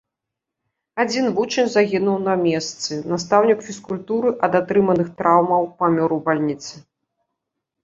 Адзін вучань загінуў на месцы, настаўнік фізкультуры ад атрыманых траўмаў памёр у бальніцы.